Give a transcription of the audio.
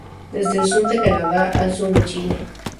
Desde el sur de Canadá al sur de Chile.